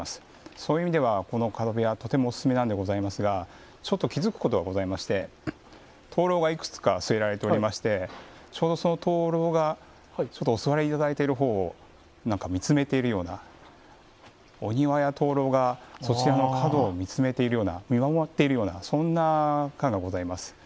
そういう意味では、この角部屋とてもお勧めなんでございますがちょっと気付くことがございまして灯籠がいくつか据えられておりましてちょうどその灯籠がお座りいただいているほうを見つめているようなお庭や灯籠がそちらの角を見つめているような見守っているようなそんな感がございます。